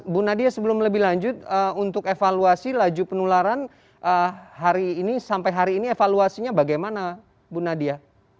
bu nadia sebelum lebih lanjut untuk evaluasi laju penularan hari ini sampai hari ini evaluasinya bagaimana bu nadia